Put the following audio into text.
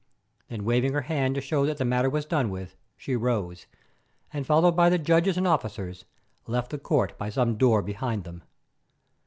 Then waving her hand to show that the matter was done with, she rose and, followed by the judges and officers, left the court by some door behind them.